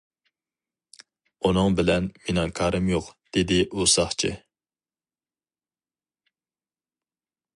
-ئۇنىڭ بىلەن مېنىڭ كارىم يوق-دېدى ئۇ ساقچى.